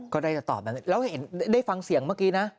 ก็ได้จะตอบแบบนี้แล้วเห็นได้ฟังเสียงเมื่อกี้นะ